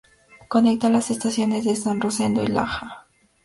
Conecta las estaciones de San Rosendo y Laja.